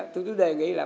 thì tôi đề nghị là